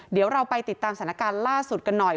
เดี๋ยวเราไปติดตามสถานการณ์ล่าสุดกันหน่อย